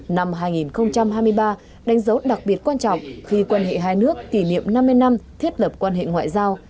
năm hai nghìn hai mươi ba đánh dấu đặc biệt quan trọng khi quan hệ hai nước kỷ niệm năm mươi năm thiết lập quan hệ ngoại giao